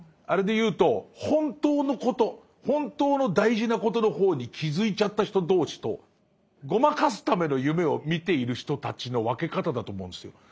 あれで言うと本当のこと本当の大事なことの方に気付いちゃった人同士とごまかすための夢を見ている人たちの分け方だと思うんですよ。